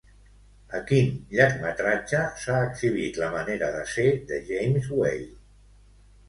A quin llargmetratge s'ha exhibit la manera de ser de James Whale?